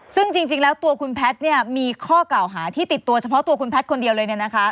ซึ่งจริงแล้วตัวคุณแพทย์เนี่ยมีข้อกล่าวหาที่ติดตัวเฉพาะตัวคุณแพทย์คนเดียวเลย